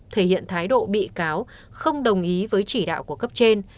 thể hiện thái độ bị cáo không đồng ý với chỉ đạo của cấp trên